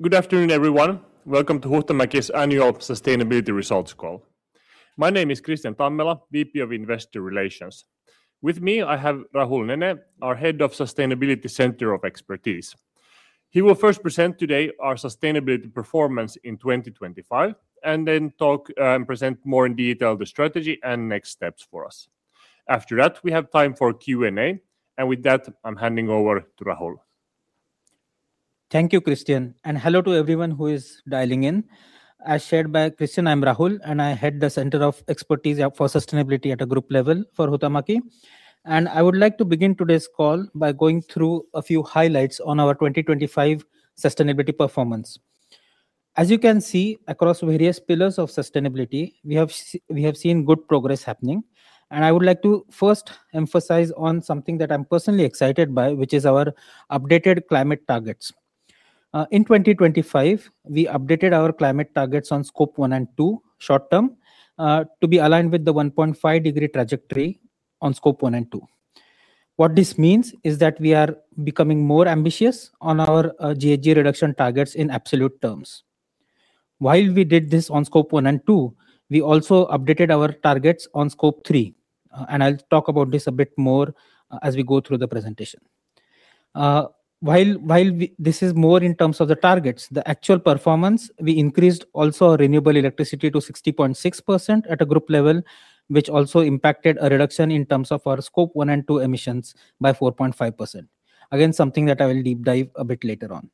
Good afternoon, everyone. Welcome to Huhtamäki's Annual Sustainability Results Call. My name is Kristian Tammela, VP of Investor Relations. With me, I have Rahul Nene, our Head of Sustainability Center of Expertise. He will first present today our sustainability performance in 2025 and then talk, and present more in detail the strategy and next steps for us. After that, we have time for Q&A. With that, I'm handing over to Rahul. Thank you, Kristian, and hello to everyone who is dialing in. As shared by Kristian, I'm Rahul, and I head the Center of Expertise for Sustainability at a group level for Huhtamäki. I would like to begin today's call by going through a few highlights on our 2025 sustainability performance. As you can see across various pillars of sustainability, we have seen good progress happening, and I would like to first emphasize on something that I'm personally excited by, which is our updated climate targets. In 2025, we updated our climate targets on Scope 1 and 2 short-term to be aligned with the 1.5-degree trajectory on Scope 1 and 2. What this means is that we are becoming more ambitious on our GHG reduction targets in absolute terms. While we did this on Scope 1 and 2, we also updated our targets on Scope 3, and I'll talk about this a bit more as we go through the presentation. This is more in terms of the targets. The actual performance, we increased also our renewable electricity to 60.6% at a group level, which also impacted a reduction in terms of our Scope 1 and 2 emissions by 4.5%. Again, something that I will deep dive a bit later on.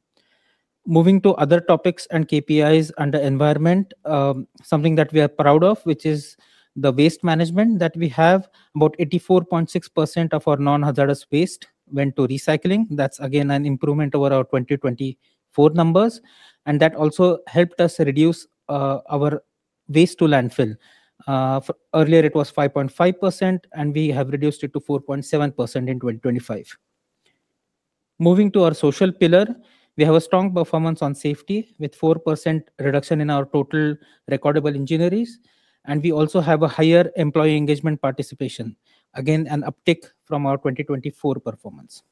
Moving to other topics and KPIs under environment, something that we are proud of, which is the waste management that we have. About 84.6% of our non-hazardous waste went to recycling. That's again an improvement over our 2024 numbers, and that also helped us reduce our waste to landfill. Earlier it was 5.5%, and we have reduced it to 4.7% in 2025. Moving to our social pillar, we have a strong performance on safety with 4% reduction in our total recordable injuries, and we also have a higher employee engagement participation. Again, an uptick from our 2024 performance.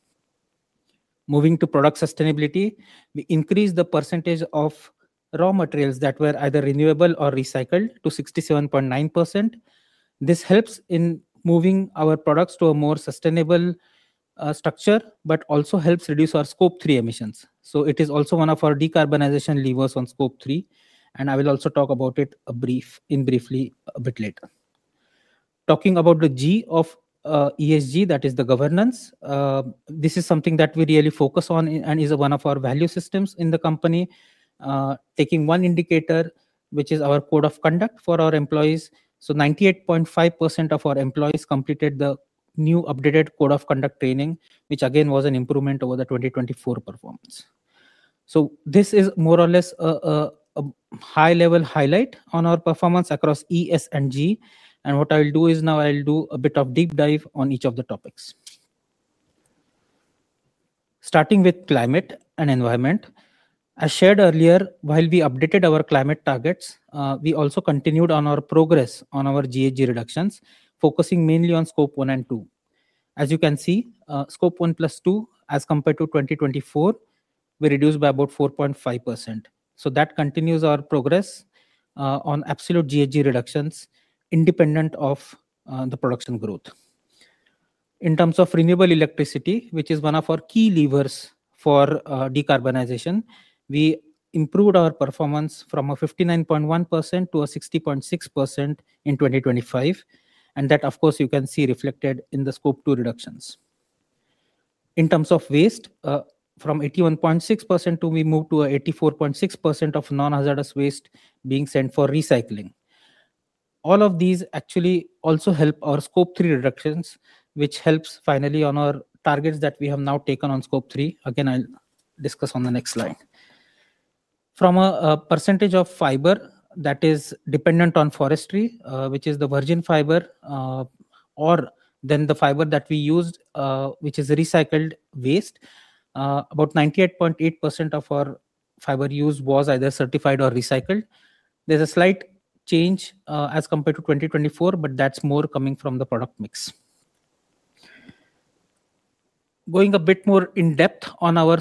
Moving to product sustainability, we increased the percentage of raw materials that were either renewable or recycled to 67.9%. This helps in moving our products to a more sustainable structure, but also helps reduce our Scope 3 emissions. It is also one of our decarbonization levers on Scope 3, and I will also talk about it briefly a bit later. Talking about the G of ESG, that is the governance, this is something that we really focus on and is one of our value systems in the company. Taking one indicator, which is our code of conduct for our employees. 98.5% of our employees completed the new updated code of conduct training, which again, was an improvement over the 2024 performance. This is more or less a high-level highlight on our performance across ES and G. What I'll do is now I'll do a bit of deep dive on each of the topics. Starting with climate and environment. As shared earlier, while we updated our climate targets, we also continued on our progress on our GHG reductions, focusing mainly on Scope 1 and 2. As you can see, Scope 1+2 as compared to 2024, we reduced by about 4.5%. That continues our progress on absolute GHG reductions independent of the production growth. In terms of renewable electricity, which is one of our key levers for decarbonization, we improved our performance from a 59.1% to a 60.6% in 2025. That of course, you can see reflected in the Scope 2 reductions. In terms of waste, from 81.6% to we moved to a 84.6% of non-hazardous waste being sent for recycling. All of these actually also help our Scope 3 reductions, which helps finally on our targets that we have now taken on Scope 3. Again, I'll discuss on the next slide. From a percentage of fiber that is dependent on forestry, which is the virgin fiber, or then the fiber that we used, which is recycled waste, about 98.8% of our fiber used was either certified or recycled. There's a slight change as compared to 2024, but that's more coming from the product mix. Going a bit more in depth on our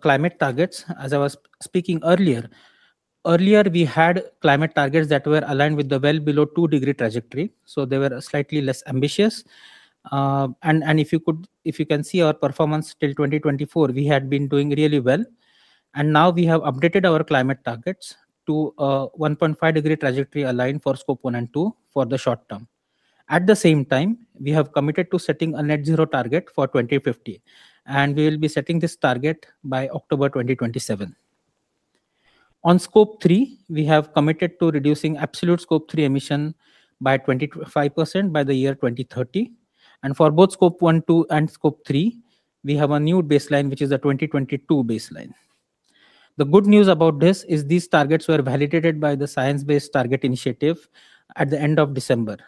climate targets, as I was speaking earlier. Earlier we had climate targets that were aligned with the well-below two-degree trajectory, so they were slightly less ambitious. If you can see our performance till 2024, we had been doing really well. Now we have updated our climate targets to 1.5 degree trajectory aligned for Scope 1 and 2 for the short term. At the same time, we have committed to setting a net zero target for 2050, and we'll be setting this target by October 2027. On Scope 3, we have committed to reducing absolute Scope 3 emission by 25% by the year 2030. For both Scope 1, 2, and Scope 3, we have a new baseline, which is a 2022 baseline. The good news about this is these targets were validated by the Science Based Targets initiative at the end of December.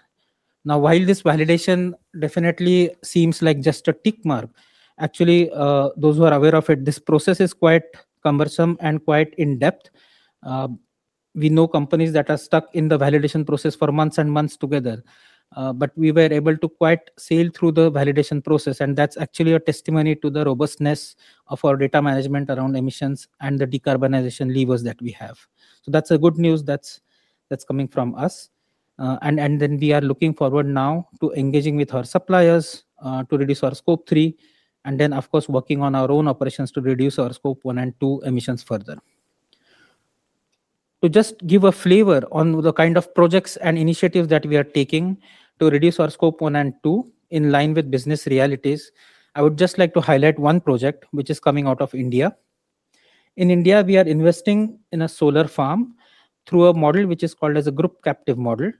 Now, while this validation definitely seems like just a tick mark, actually, those who are aware of it, this process is quite cumbersome and quite in-depth. We know companies that are stuck in the validation process for months and months together. We were able to quite sail through the validation process, and that's actually a testimony to the robustness of our data management around emissions and the decarbonization levers that we have. That's good news that's coming from us. And then we are looking forward now to engaging with our suppliers to reduce our Scope 3, and then of course, working on our own operations to reduce our Scope 1 and 2 emissions further. To just give a flavor on the kind of projects and initiatives that we are taking to reduce our Scope 1 and 2 in line with business realities, I would just like to highlight one project which is coming out of India. In India, we are investing in a solar farm through a model which is called as a group captive model,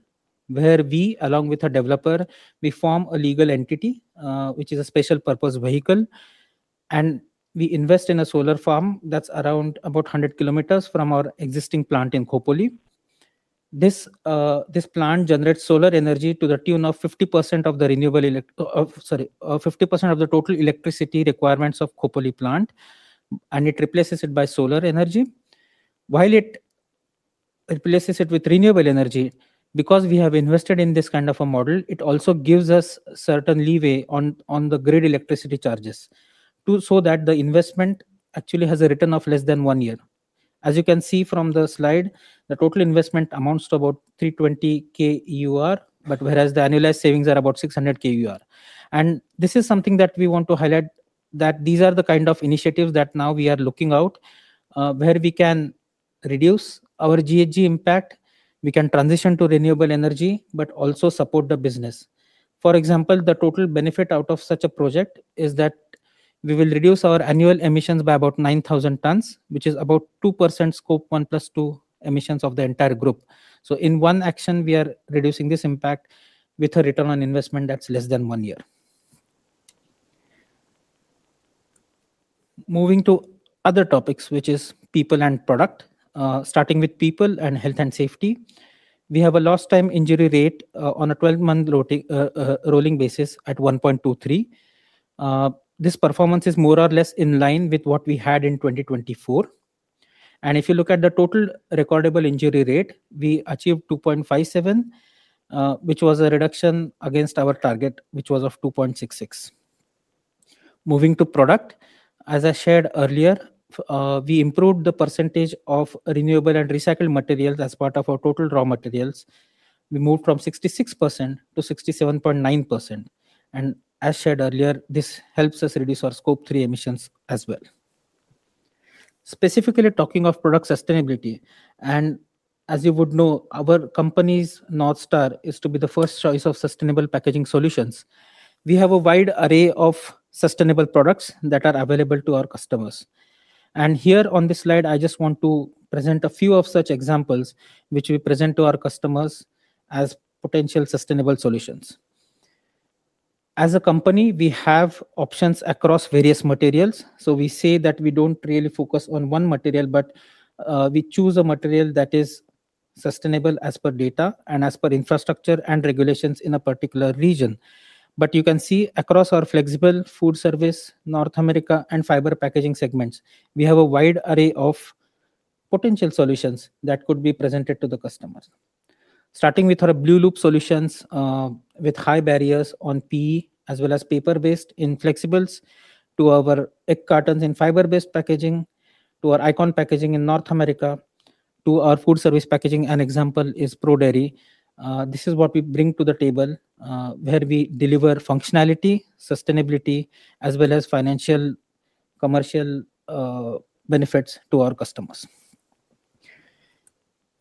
where we, along with a developer, form a legal entity, which is a special purpose vehicle, and we invest in a solar farm that's around about 100 km from our existing plant in Khopoli. This plant generates solar energy to the tune of 50% of the total electricity requirements of Khopoli plant, and it replaces it by solar energy. While it replaces it with renewable energy, because we have invested in this kind of a model, it also gives us certain leeway on the grid electricity charges so that the investment actually has a return of less than one year. As you can see from the slide, the total investment amounts to about 320,000, but whereas the annualized savings are about 600,000. This is something that we want to highlight, that these are the kind of initiatives that now we are looking out, where we can reduce our GHG impact. We can transition to renewable energy, but also support the business. For example, the total benefit out of such a project is that we will reduce our annual emissions by about 9,000 tons, which is about 2% Scope 1 + 2 emissions of the entire group. In one action, we are reducing this impact with a return on investment that's less than one year. Moving to other topics, which is people and product. Starting with people and health and safety. We have a lost time injury rate on a 12-month rolling basis at 1.23. This performance is more or less in line with what we had in 2024. If you look at the total recordable injury rate, we achieved 2.57, which was a reduction against our target, which was of 2.66. Moving to product. As I shared earlier, we improved the percentage of renewable and recycled materials as part of our total raw materials. We moved from 66%-67.9%. As shared earlier, this helps us reduce our Scope 3 emissions as well. Specifically talking of product sustainability, and as you would know, our company's North Star is to be the first choice of sustainable packaging solutions. We have a wide array of sustainable products that are available to our customers. Here on this slide, I just want to present a few of such examples which we present to our customers as potential sustainable solutions. As a company, we have options across various materials. We say that we don't really focus on one material, but, we choose a material that is sustainable as per data and as per infrastructure and regulations in a particular region. You can see across our Flexible, Foodservice, North America, and Fiber Packaging segments, we have a wide array of potential solutions that could be presented to the customers. Starting with our blueloop solutions, with high barriers on PE as well as paper-based flexibles to our egg cartons and fiber-based packaging, to our Chinet packaging in North America, to our Foodservice Packaging. An example is ProDairy. This is what we bring to the table, where we deliver functionality, sustainability, as well as financial, commercial, benefits to our customers.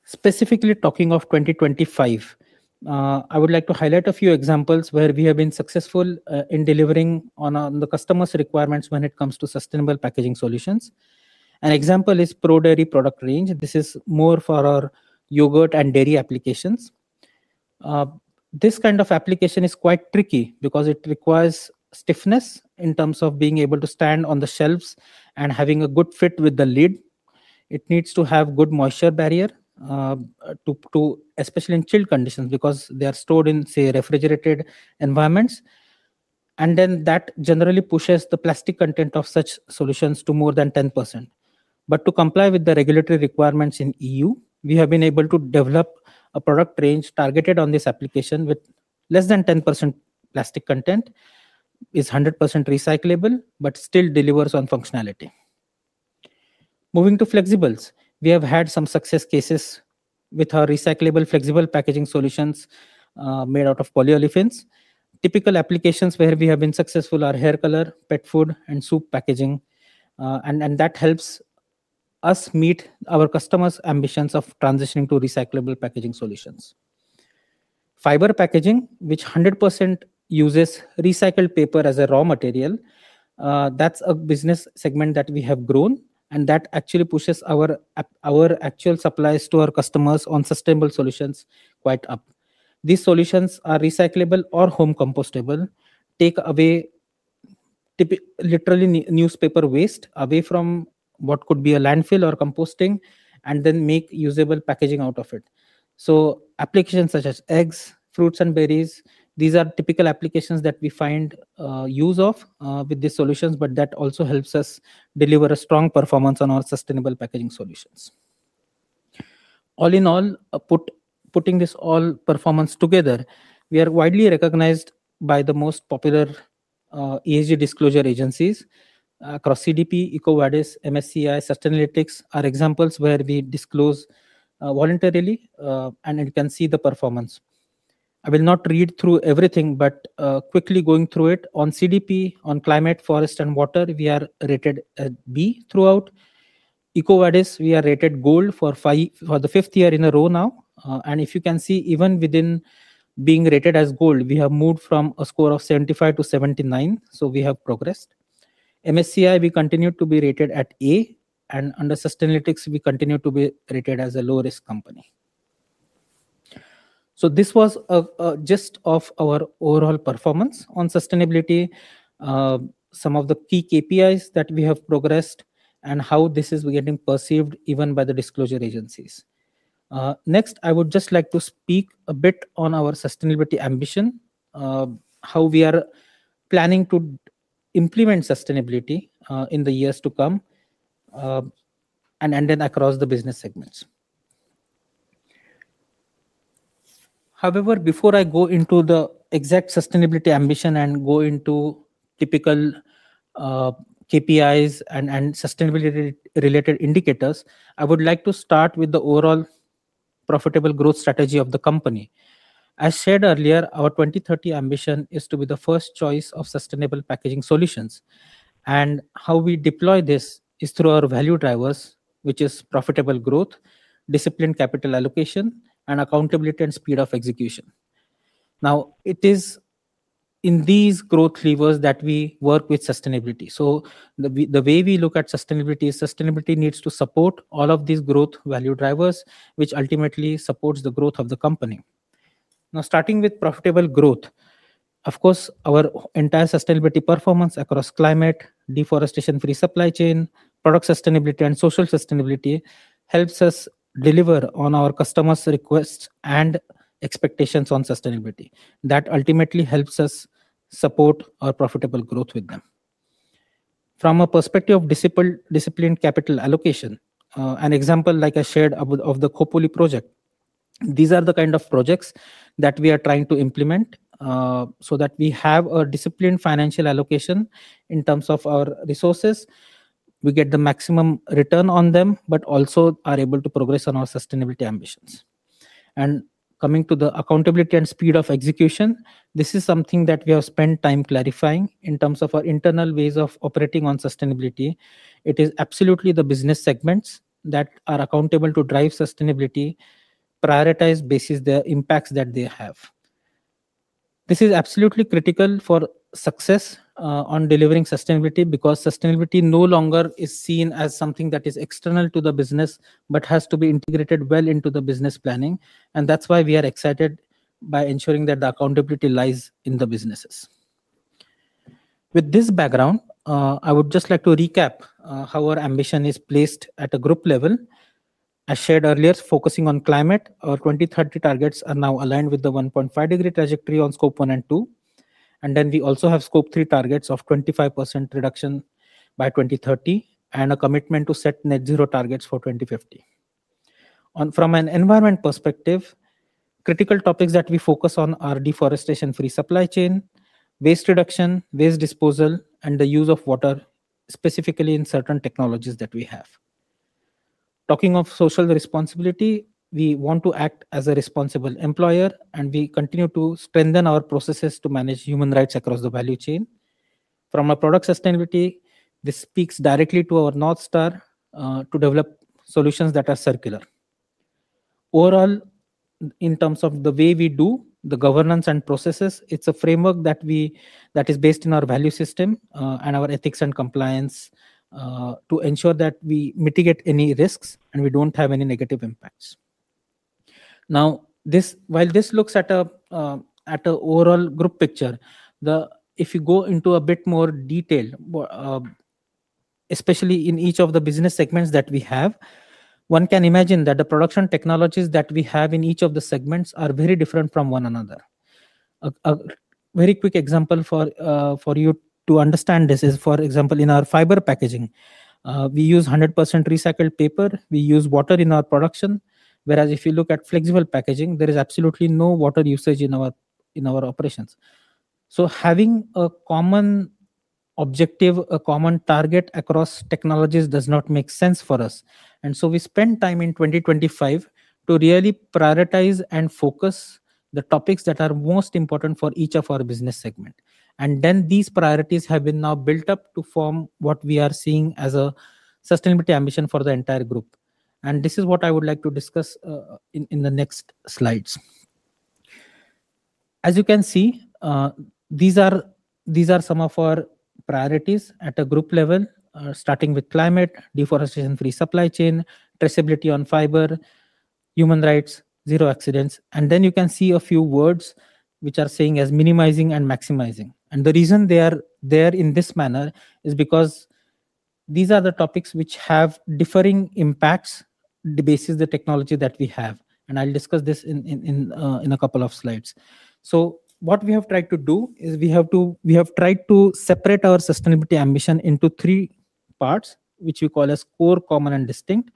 Specifically talking of 2025, I would like to highlight a few examples where we have been successful in delivering on the customer's requirements when it comes to sustainable packaging solutions. An example is ProDairy product range. This is more for our yogurt and dairy applications. This kind of application is quite tricky because it requires stiffness in terms of being able to stand on the shelves and having a good fit with the lid. It needs to have good moisture barrier, especially in chilled conditions, because they are stored in, say, refrigerated environments. That generally pushes the plastic content of such solutions to more than 10%. To comply with the regulatory requirements in E.U., we have been able to develop a product range targeted on this application with less than 10% plastic content. It's 100% recyclable, but still delivers on functionality. Moving to flexibles. We have had some success cases with our recyclable flexible packaging solutions, made out of polyolefins. Typical applications where we have been successful are hair color, pet food, and soup packaging. And that helps us meet our customers' ambitions of transitioning to recyclable packaging solutions. Fiber Packaging, which 100% uses recycled paper as a raw material, that's a business segment that we have grown, and that actually pushes our actual supplies to our customers on sustainable solutions quite up. These solutions are recyclable or home compostable, take away literally newspaper waste away from what could be a landfill or composting, and then make usable packaging out of it. Applications such as eggs, fruits and berries, these are typical applications that we find use of with these solutions, but that also helps us deliver a strong performance on our sustainable packaging solutions. All in all, putting this all performance together, we are widely recognized by the most popular ESG disclosure agencies across CDP, EcoVadis, MSCI, Sustainalytics are examples where we disclose voluntarily and you can see the performance. I will not read through everything, but quickly going through it on CDP, on climate, forest and water, we are rated at B throughout. EcoVadis, we are rated gold for the fifth year in a row now. If you can see, even within being rated as gold, we have moved from a score of 75 to 79, so we have progressed. MSCI, we continue to be rated at A, and under Sustainalytics we continue to be rated as a low-risk company. This was a gist of our overall performance on sustainability, some of the key KPIs that we have progressed and how this is getting perceived even by the disclosure agencies. Next, I would just like to speak a bit on our sustainability ambition, how we are planning to implement sustainability, in the years to come, and then across the business segments. However, before I go into the exact sustainability ambition and go into typical KPIs and sustainability-related indicators, I would like to start with the overall profitable growth strategy of the company. As said earlier, our 2030 ambition is to be the first choice of sustainable packaging solutions. How we deploy this is through our value drivers, which is profitable growth, disciplined capital allocation, and accountability and speed of execution. Now, it is in these growth levers that we work with sustainability. The way we look at sustainability is sustainability needs to support all of these growth value drivers, which ultimately supports the growth of the company. Now, starting with profitable growth, of course, our entire sustainability performance across climate, deforestation-free supply chain, product sustainability and social sustainability helps us deliver on our customers' requests and expectations on sustainability. That ultimately helps us support our profitable growth with them. From a perspective of disciplined capital allocation, an example like I shared of the COPOLY project, these are the kind of projects that we are trying to implement, so that we have a disciplined financial allocation in terms of our resources. We get the maximum return on them but also are able to progress on our sustainability ambitions. Coming to the accountability and speed of execution, this is something that we have spent time clarifying in terms of our internal ways of operating on sustainability. It is absolutely the business segments that are accountable to drive sustainability, prioritize based on the impacts that they have. This is absolutely critical for success on delivering sustainability because sustainability no longer is seen as something that is external to the business but has to be integrated well into the business planning. That's why we are excited by ensuring that the accountability lies in the businesses. With this background, I would just like to recap how our ambition is placed at a group level. As shared earlier, focusing on climate, our 2030 targets are now aligned with the 1.5-degree trajectory on Scope 1 and 2. Then we also have Scope 3 targets of 25% reduction by 2030 and a commitment to set net zero targets for 2050. From an environment perspective, critical topics that we focus on are deforestation-free supply chain, waste reduction, waste disposal, and the use of water, specifically in certain technologies that we have. Talking of social responsibility, we want to act as a responsible employer, and we continue to strengthen our processes to manage human rights across the value chain. From a product sustainability, this speaks directly to our North Star, to develop solutions that are circular. Overall, in terms of the way we do the governance and processes, it's a framework that is based in our value system, and our ethics and compliance, to ensure that we mitigate any risks, and we don't have any negative impacts. Now, while this looks at a, at an overall group picture. If you go into a bit more detail, especially in each of the business segments that we have, one can imagine that the production technologies that we have in each of the segments are very different from one another. A very quick example for you to understand this is, for example, in our Fiber Packaging, we use 100% recycled paper. We use water in our production. Whereas if you look at flexible packaging, there is absolutely no water usage in our operations. Having a common objective, a common target across technologies does not make sense for us. We spent time in 2025 to really prioritize and focus the topics that are most important for each of our business segment. These priorities have been now built up to form what we are seeing as a sustainability ambition for the entire group. This is what I would like to discuss in the next slides. As you can see, these are some of our priorities at a group level, starting with climate, deforestation-free supply chain, traceability on fiber, human rights, zero accidents. You can see a few words which are saying as minimizing and maximizing. The reason they are there in this manner is because these are the topics which have differing impacts basis the technology that we have. I'll discuss this in a couple of slides. What we have tried to do is we have tried to separate our sustainability ambition into three parts which we call as core, common, and distinct.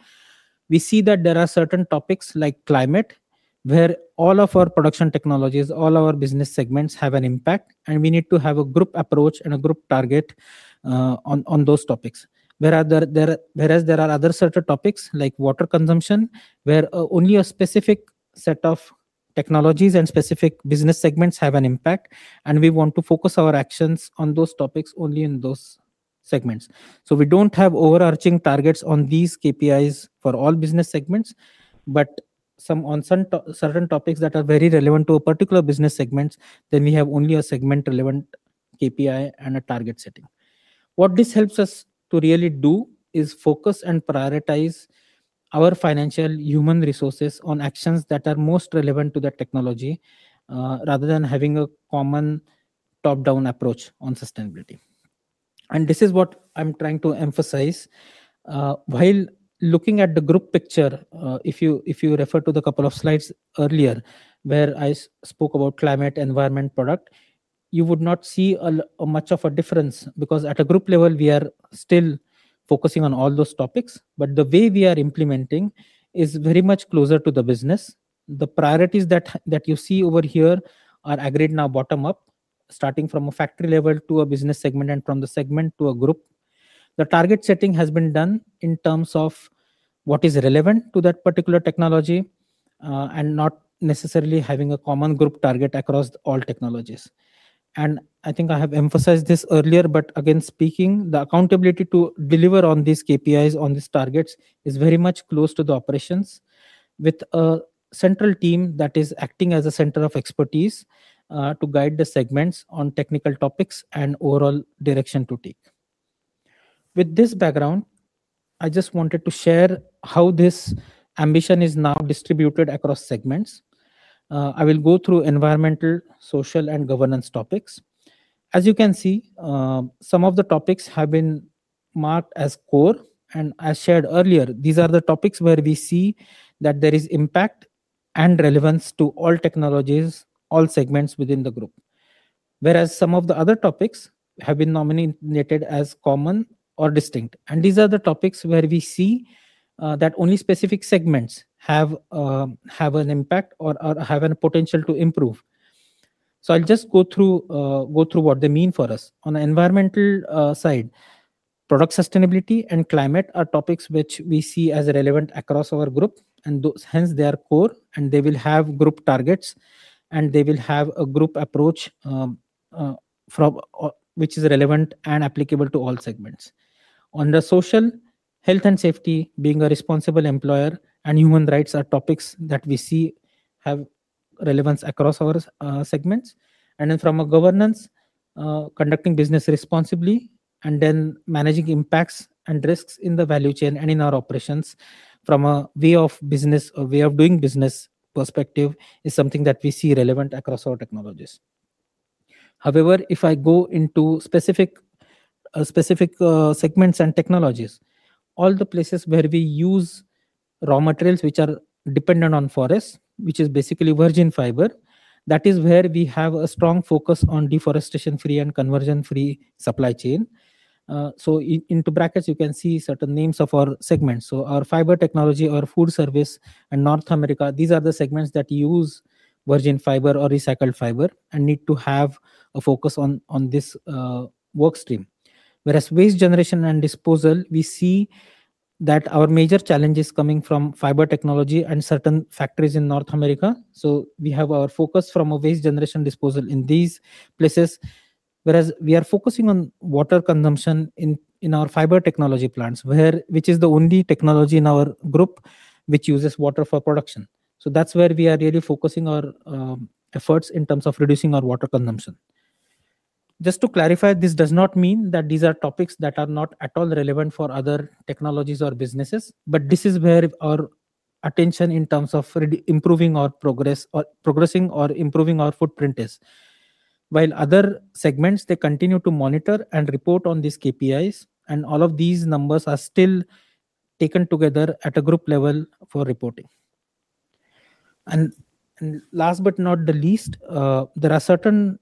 We see that there are certain topics like climate, where all of our production technologies, all our business segments have an impact, and we need to have a group approach and a group target on those topics. Whereas there are other certain topics like water consumption, where only a specific set of technologies and specific business segments have an impact, and we want to focus our actions on those topics only in those segments. We don't have overarching targets on these KPIs for all business segments, but on certain topics that are very relevant to a particular business segment, then we have only a segment relevant KPI and a target setting. What this helps us to really do is focus and prioritize our financial human resources on actions that are most relevant to that technology, rather than having a common top-down approach on sustainability. This is what I'm trying to emphasize. While looking at the group picture, if you refer to the couple of slides earlier where I spoke about climate, environment, product, you would not see much of a difference because at a group level we are still focusing on all those topics. The way we are implementing is very much closer to the business. The priorities that you see over here are agreed now bottom-up, starting from a factory level to a business segment, and from the segment to a group. The target setting has been done in terms of what is relevant to that particular technology, and not necessarily having a common group target across all technologies. I think I have emphasized this earlier, but again speaking, the accountability to deliver on these KPIs, on these targets is very much close to the operations with a central team that is acting as a center of expertise, to guide the segments on technical topics and overall direction to take. With this background, I just wanted to share how this ambition is now distributed across segments. I will go through environmental, social, and governance topics. As you can see, some of the topics have been marked as core, and as shared earlier, these are the topics where we see that there is impact and relevance to all technologies, all segments within the group. Whereas some of the other topics have been nominated as common or distinct, and these are the topics where we see that only specific segments have an impact or have a potential to improve. I'll just go through what they mean for us. On the environmental side, product sustainability and climate are topics which we see as relevant across our group and those hence they are core, and they will have group targets, and they will have a group approach, which is relevant and applicable to all segments. On the social, health and safety, being a responsible employer, and human rights are topics that we see have relevance across our segments. From a governance, conducting business responsibly and then managing impacts and risks in the value chain and in our operations from a way of business, a way of doing business perspective, is something that we see relevant across our technologies. However, if I go into specific segments and technologies, all the places where we use raw materials, which are dependent on forest, which is basically virgin fiber, that is where we have a strong focus on deforestation-free and conversion-free supply chain. So into brackets, you can see certain names of our segments. Our Fiber Packaging, our Foodservice Packaging in North America, these are the segments that use virgin fiber or recycled fiber and need to have a focus on this work stream. Whereas waste generation and disposal, we see that our major challenge is coming from Fiber Packaging and certain factories in North America. We have our focus on waste generation and disposal in these places. Whereas we are focusing on water consumption in our Fiber Packaging plants which is the only technology in our group which uses water for production. That's where we are really focusing our efforts in terms of reducing our water consumption. Just to clarify, this does not mean that these are topics that are not at all relevant for other technologies or businesses, but this is where our attention in terms of improving our progress or progressing or improving our footprint is. While other segments, they continue to monitor and report on these KPIs, and all of these numbers are still taken together at a group level for reporting. Last but not the least, there are certain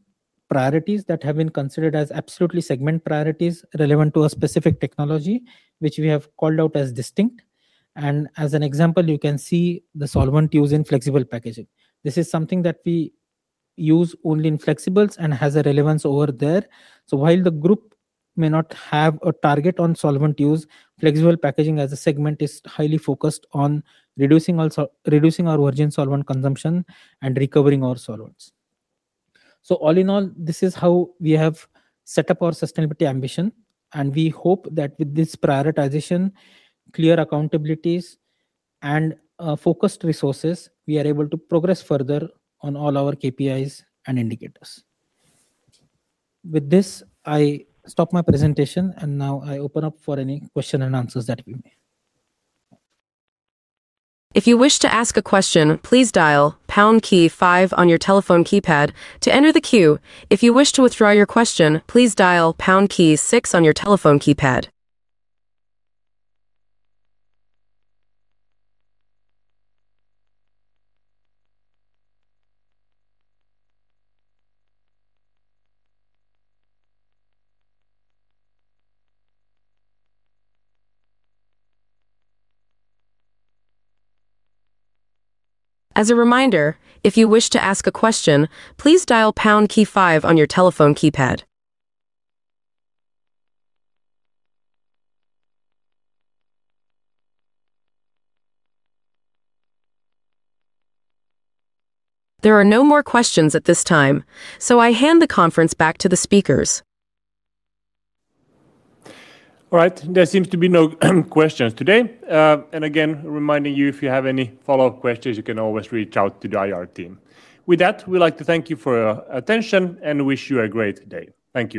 priorities that have been considered as absolutely segment priorities relevant to a specific technology which we have called out as distinct. As an example, you can see the solvent used in flexible packaging. This is something that we use only in flexibles and has a relevance over there. While the group may not have a target on solvent use, flexible packaging as a segment is highly focused on reducing our virgin solvent consumption and recovering our solvents. All in all, this is how we have set up our sustainability ambition, and we hope that with this prioritization, clear accountabilities, and focused resources, we are able to progress further on all our KPIs and indicators. With this, I stop my presentation, and now I open up for any question and answers that we may. If you wish to ask a question, please dial pound key five on your telephone keypad to enter the queue. If you wish to withdraw your question, please dial pound key six on your telephone keypad. As a reminder, if you wish to ask a question, please dial pound key five on your telephone keypad. There are no more questions at this time. So I hand the conference back to the speakers. All right. There seems to be no questions today. Again, reminding you, if you have any follow-up questions, you can always reach out to the IR team. With that, we'd like to thank you for your attention and wish you a great day. Thank you.